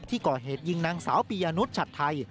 ก่อเหตุยิงนางสาวปียะนุษย์ฉัดไทย